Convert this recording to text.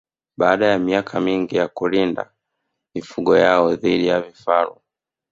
Baada ya miaka mingi ya kulinda mifugo yao dhidi ya vifaru